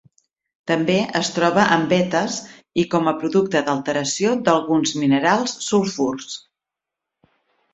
També es troba en vetes i com a producte d'alteració d'alguns minerals sulfurs.